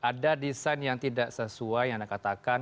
ada desain yang tidak sesuai yang anda katakan